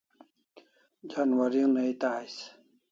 Janwari una eta ais